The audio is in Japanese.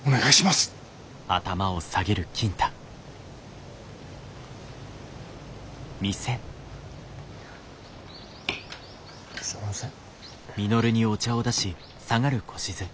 すんません。